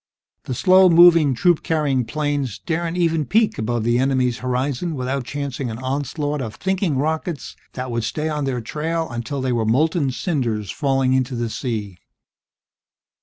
The slow moving troop carrying planes daren't even peek above the enemy's horizon without chancing an onslaught of "thinking" rockets that would stay on their trail until they were molten cinders falling into the sea.